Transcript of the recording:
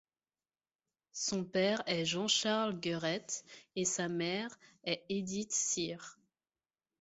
Son père est Jean Charles Guerette et sa mère est Edith Cyr.